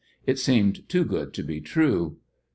It seemed too good to be true.